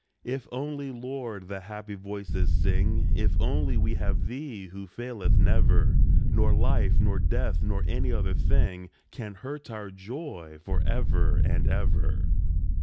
" If only, Lord, " the happy voices sing, " If only we have Thee, who faileth never, Nor life, nor death, nor any other thing Can hurt our joy forever and forever.